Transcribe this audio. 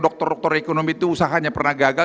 dokter dokter ekonomi itu usahanya pernah gagal